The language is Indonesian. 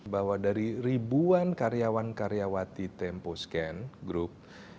bahwa dari ribuan karyawan karyawati temposcan group